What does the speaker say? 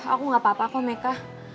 aku gak apa apa kok mereka